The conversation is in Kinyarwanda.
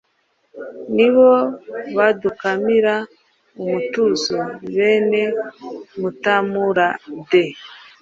Nibo badukamira umutuzo, Bene Mutamura-de